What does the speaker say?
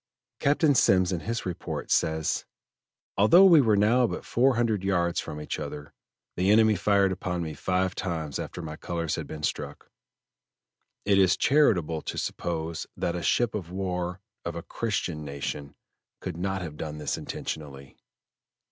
Captain Semmes in his report says: "Although we were now but four hundred yards from each other, the enemy fired upon me five times after my colors had been struck. It is charitable to suppose that a ship of war of a christian nation could not have done this intentionally."